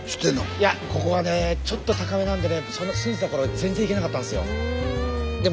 いやここはねちょっと高めなんでね住んでた頃全然行けなかったんですよ。